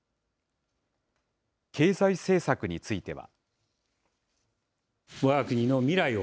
経済政策については。